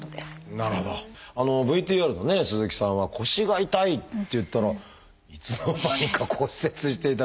ＶＴＲのね鈴木さんは腰が痛いっていったらいつの間にか骨折していたって。